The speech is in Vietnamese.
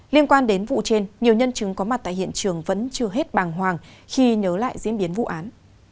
liên quan đến vụ trên nhiều nhân chứng có mặt tại hiện trường vẫn chưa hết bàng hoàng khi nhớ lại diễn biến vụ án